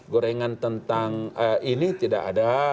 gorengan tentang ini tidak ada